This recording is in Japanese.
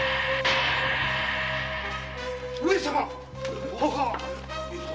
上様